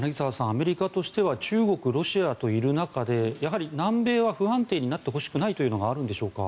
アメリカとしては中国、ロシアといる中でやはり南米は不安定になってほしくないというのがあるんでしょうか。